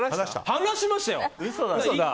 話しましたよ！